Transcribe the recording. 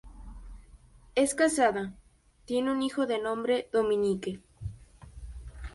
Es casada, tiene un hijo de nombre Dominique.